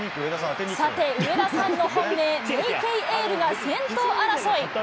さて、上田さんの本命、メイケイエールが先頭争い。